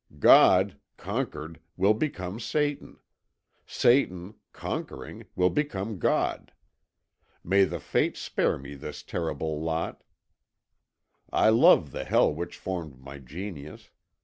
"God, conquered, will become Satan; Satan, conquering, will become God. May the fates spare me this terrible lot; I love the Hell which formed my genius.